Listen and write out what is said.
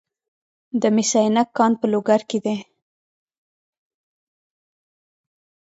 د مس عینک کان په لوګر کې دی